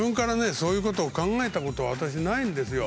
そういうことを考えたこと私ないんですよ。